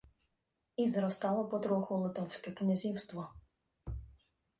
І зростало потроху Литовське князівство.